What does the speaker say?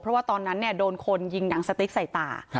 เพราะว่าตอนนั้นโดนคนยิงหนังสติ๊กใส่ตา